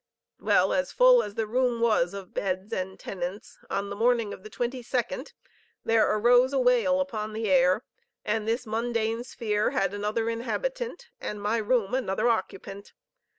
Well, as full as the room was of beds and tenants, on the morning of the twenty second, there arose a wail upon the air, and this mundane sphere had another inhabitant, and my room another occupant.